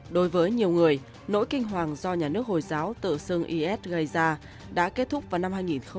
đối với nhiều người nỗi kinh hoàng do nhà nước hồi giáo tự xưng is gây ra đã kết thúc vào năm hai nghìn một mươi